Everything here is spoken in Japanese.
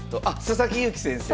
佐々木勇気先生。